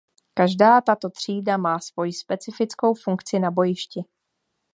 Každá tato třída má svoji specifickou funkci na bojišti.